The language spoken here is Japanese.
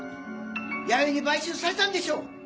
弥生に買収されたんでしょ！？